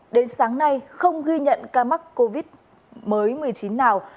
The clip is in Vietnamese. đến sáng nay không ghi nhận ca mắc covid một mươi chín nào